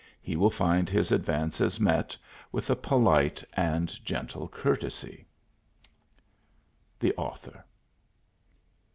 He will find his advances met with a polite and gentle courtesy. The Author.